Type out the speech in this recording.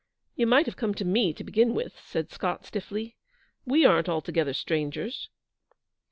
'You might have come to me, to begin with,' said Scott, stiffly; 'we aren't altogether strangers.'